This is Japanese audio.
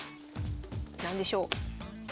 何でしょう？